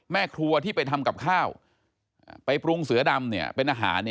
แม่ครัวที่ไปทำกับข้าวไปปรุงเสือดำเป็นอาหาร